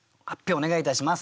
お願いいたします。